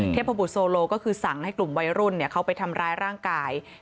พบุโซโลก็คือสั่งให้กลุ่มวัยรุ่นเขาไปทำร้ายร่างกาย